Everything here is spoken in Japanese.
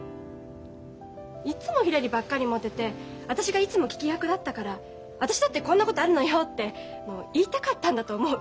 いっつもひらりばっかりもてて私がいつも聞き役だったから私だってこんなことあるのよって言いたかったんだと思う。